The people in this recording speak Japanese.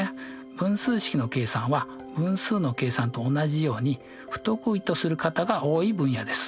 分数式の計算は分数の計算と同じように不得意とする方が多い分野です。